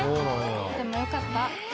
でもよかった。